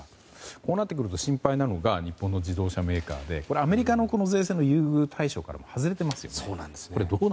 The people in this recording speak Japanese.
こうなってくると心配なのが日本の自動車メーカーでアメリカの税制の優遇対象から外れていますよね。